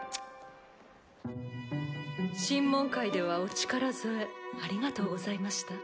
審問会ではお力添えありがとうございました。